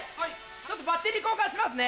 ちょっとバッテリー交換しますね。